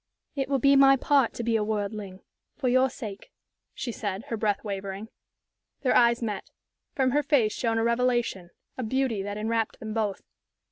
"It will be my part to be a worldling for your sake," she said, her breath wavering. Their eyes met. From her face shone a revelation, a beauty that enwrapped them both.